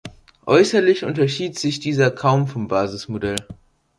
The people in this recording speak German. Äußerlich unterschied sich dieser kaum vom Basismodell.